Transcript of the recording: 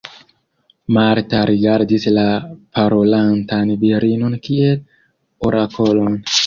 Marta rigardis la parolantan virinon kiel orakolon.